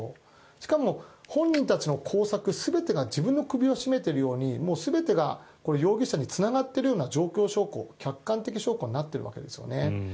しかも、本人たちの工作全てが自分の首を絞めているようにもう全てが容疑者につながっているような状況証拠客観的証拠になっているわけですよね。